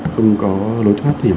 không có lối thoát hiểm